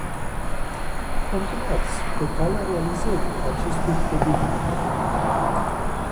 Continuați pe calea realizării acestui obiectiv.